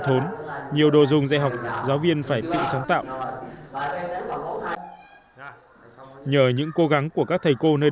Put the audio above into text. thốn nhiều đồ dùng dạy học giáo viên phải tự sáng tạo nhờ những cố gắng của các thầy cô nơi